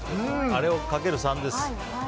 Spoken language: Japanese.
あれを、かける３です。